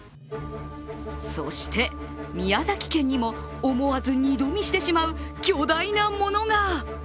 そして、宮崎県にも思わず二度見してしまう巨大なものが。